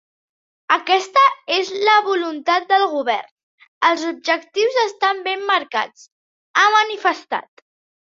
Aquesta és la voluntat del govern, els objectius estan ben marcats, ha manifestat.